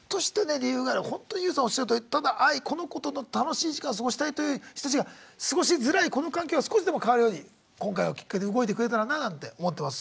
理由があればほんとにＹＯＵさんおっしゃるとおりただ愛この子との楽しい時間を過ごしたいという人たちが過ごしづらいこの環境が少しでも変わるように今回をきっかけに動いてくれたらなあなんて思ってます。